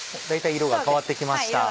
大体色が変わって来ました。